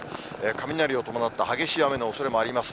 雷を伴った激しい雨のおそれもあります。